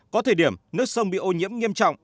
có thời điểm nước sông bị ô nhiễm nghiêm trọng